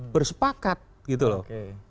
bersepakat gitu loh